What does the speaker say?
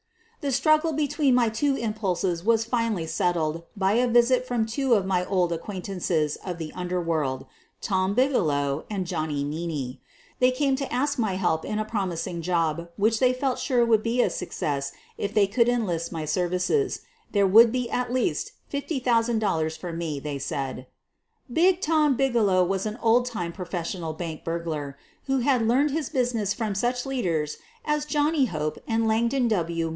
The struggle between my two impulses was finally settled by a visit from two of my old acquaintances of the underworld — Tom Bigelow and Johnny Meaney. They came to ask my help in a promising job which they felt sure would be a success if they could enlist my services — there would be at least $50,000 for me, they said. "Big Tom" Bigelow was an old time professional bank burglar, who had learned his business under such leaders as Jimmy Hope and Langdon W.